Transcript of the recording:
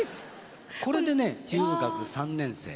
これでね中学３年生。